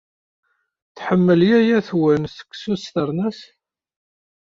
Tḥemmel yaya-twen seksu s ternast?